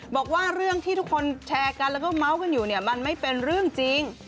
บอกว่าเรื่องที่ทุกคนแชร์กันแล้วก็เมาส์กันอยู่เนี่ยมันไม่เป็นเรื่องจริง